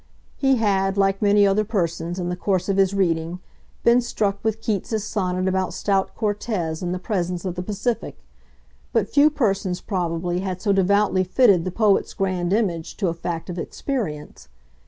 He had, like many other persons, in the course of his reading, been struck with Keats's sonnet about stout Cortez in the presence of the Pacific; but few persons, probably, had so devoutly fitted the poet's grand image to a fact of experience.